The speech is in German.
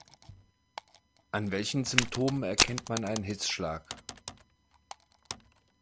An welchen Symptomen erkennt man einen Hitzschlag?